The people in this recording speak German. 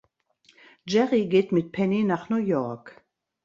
Jerry geht mit Penny nach New York.